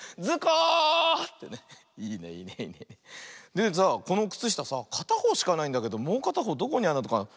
でさあこのくつしたさあかたほうしかないんだけどもうかたほうどこにあるのかな。